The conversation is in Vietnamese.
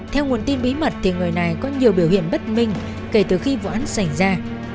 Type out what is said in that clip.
theo nguồn tin bí mật thì người này có nhiều biểu hiện bất minh kể từ khi vụ án xảy ra